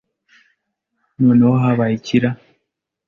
noneho habaye iki ra